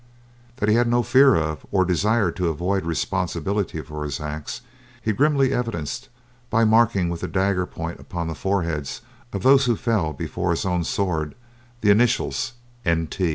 That he had no fear of or desire to avoid responsibility for his acts, he grimly evidenced by marking with a dagger's point upon the foreheads of those who fell before his own sword the initials NT.